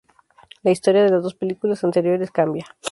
La historia de las dos películas anteriores cambia.